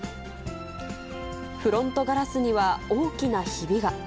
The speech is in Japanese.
フロントガラスには大きなひびが。